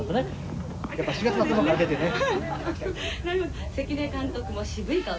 やっぱ４月の頭から出てね。